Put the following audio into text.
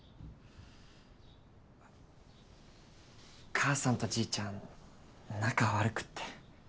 母さんとじいちゃん仲悪くって。